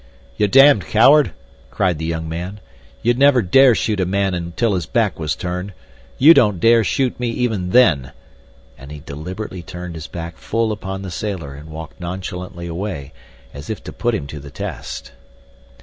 "You damned coward," cried the young man. "You'd never dare shoot a man until his back was turned. You don't dare shoot me even then," and he deliberately turned his back full upon the sailor and walked nonchalantly away as if to put him to the test.